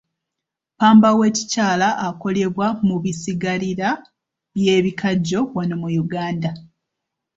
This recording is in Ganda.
Ppamba w'ekikyala akolebwa mu bisigalira by'ebikajjo wano mu Uganda.